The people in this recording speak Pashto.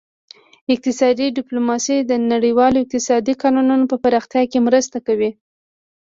اقتصادي ډیپلوماسي د نړیوال اقتصادي قانون په پراختیا کې مرسته کوي